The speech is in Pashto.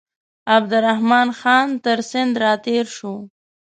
عبدالرحمن خان تر سیند را تېر شو.